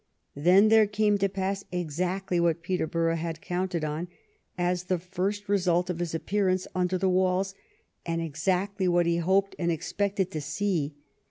Then there came to pass exactly what Peterborough had counted on as the first result of his appearance under the walls, and exactly what he hoped and expected to see.